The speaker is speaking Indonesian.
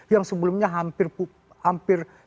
yang sebelumnya hampir